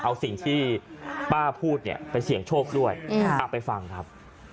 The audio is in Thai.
เอาสิ่งที่ป้าพูดเนี่ยไปเสี่ยงโชคด้วยไปฟังครับ